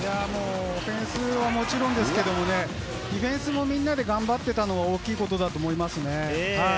オフェンスはもちろんですけど、ディフェンスをみんなで頑張っていたのが大きいことだと思いますね。